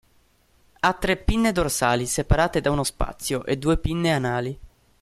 Ha tre pinne dorsali, separate da uno spazio, e due pinne anali.